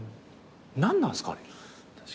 何なんすか？